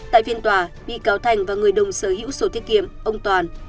tại phiên tòa bị cáo thành và người đồng sở hữu sổ tiết kiệm ông toàn